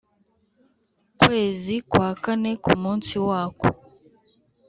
Kwezi kwa kane ku munsi wako